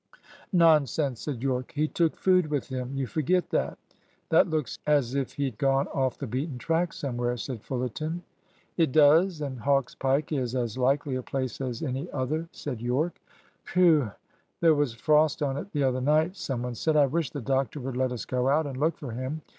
"Nonsense!" said Yorke. "He took food with him. You forget that." "That looks as if he'd gone off the beaten track somewhere," said Fullerton. "It does and Hawk's Pike is as likely a place as any other," said Yorke. "Whew! there was frost on it the other night," some one said. "I wish the doctor would let us go out and look for him.